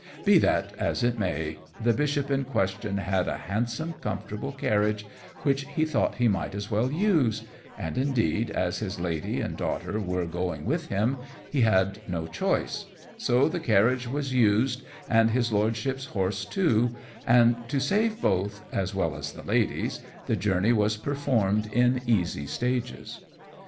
Be that as it may, the Bishop in question had a handsome comfortable carriage which he thought he might as well use; and, indeed, as his lady and daughter were going with him, he had no choice, so the carriage was used and his lordship's horses too; and to save both, as well as the ladies, the journey was performed in easy stages.